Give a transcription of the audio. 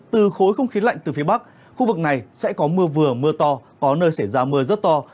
từ khối không khí lạnh từ phía bắc khu vực này sẽ có mưa vừa mưa to có nơi xảy ra mưa rất to